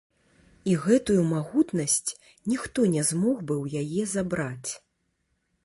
І гэтую магутнасць ніхто не змог бы ў яе забраць.